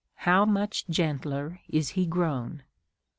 how much gentler is he grown